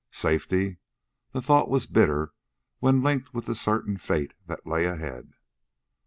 "Safety!" The thought was bitter when linked with the certain fate that lay ahead.